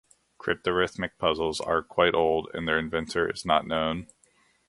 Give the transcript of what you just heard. Cryptarithmic puzzles are quite old and their inventor is not known.